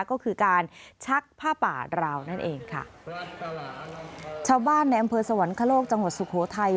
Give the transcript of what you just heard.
ก็คือการชักผ้าป่าราวนั่นเองค่ะชาวบ้านในอำเภอสวรรคโลกจังหวัดสุโขทัย